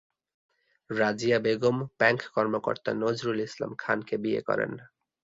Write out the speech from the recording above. Razia Begum bank কর্মকর্তা নজরুল ইসলাম খানকে বিয়ে করেন।